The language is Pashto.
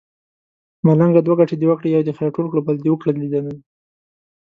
ملنګه دوه ګټې دې وکړې يو دې خير ټول کړو بل دې وکړل ديدنونه